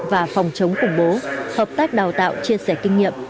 và phòng chống khủng bố hợp tác đào tạo chia sẻ kinh nghiệm